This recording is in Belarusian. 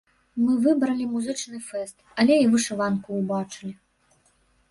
Мы выбралі музычны фэст, але і вышыванку ўбачылі.